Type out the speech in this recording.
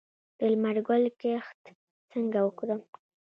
د لمر ګل کښت څنګه وکړم؟